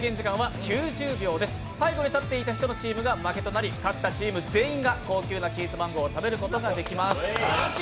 最後に立っていたチームの人が負けとなり勝ったチーム全員がキーツマンゴーを食べることができます。